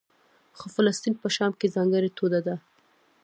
خو فلسطین په شام کې ځانګړې ټوټه ده.